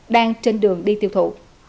đang trên đường đi tiêu thụ